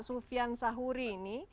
sufyan sahuri ini